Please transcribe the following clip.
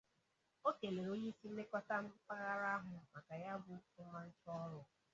O kelere onyeisi nlekọta mpaghara ahụ maka ya bụ ọmarịcha ọrụ